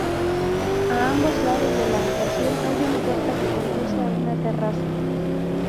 A ambos lados de la habitación hay una puerta que conduce a una terraza.